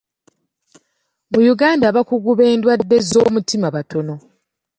Mu Uganda abakugu b'endwadde z'omutima batono.